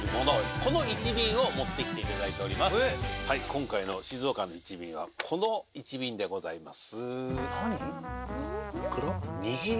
今回の静岡の１瓶はこの１瓶でございます。